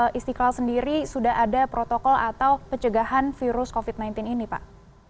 di istiqlal sendiri sudah ada protokol atau pencegahan virus covid sembilan belas ini pak